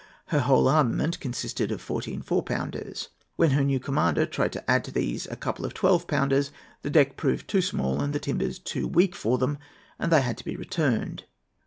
Her whole armament consisted of fourteen 4 pounders. When her new commander tried to add to these a couple of 12 pounders, the deck proved too small and the timbers too weak for them, and they had to be returned.